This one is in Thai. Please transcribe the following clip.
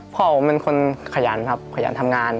พ่อผมเป็นคนขยันครับขยันทำงาน